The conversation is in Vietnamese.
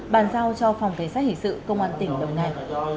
bàn giao cho phòng cảnh sát hình sự công an tỉnh đồng nai